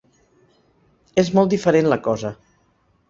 És molt diferent la cosa.